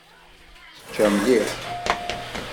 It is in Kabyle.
Tečča mliḥ.